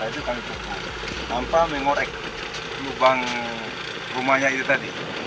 itu kami buka tanpa mengorek lubang rumahnya itu tadi